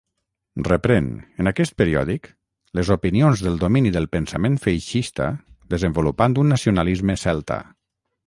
Reprèn, en aquest periòdic, les opinions del domini del pensament feixista desenvolupant un nacionalisme celta.